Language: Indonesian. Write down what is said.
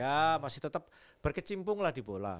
ya masih tetap berkecimpung lah di bola